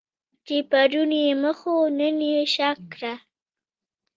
چې پرون یې مخ وو نن یې شا کړه.